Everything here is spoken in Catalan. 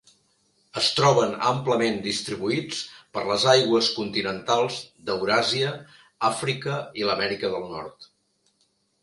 Es troben amplament distribuïts per les aigües continentals d'Euràsia, Àfrica i l'Amèrica del Nord.